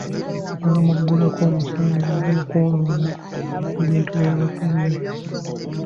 Baamuggulako omusango gw’okwonoona ebintu by’abatuuze.